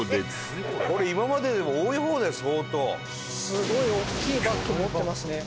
すごい大きいバッグ持ってますね。